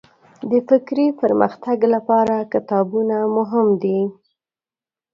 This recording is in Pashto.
د فکري پرمختګ لپاره کتابونه مهم دي.